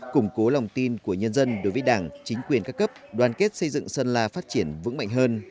củng cố lòng tin của nhân dân đối với đảng chính quyền các cấp đoàn kết xây dựng sơn la phát triển vững mạnh hơn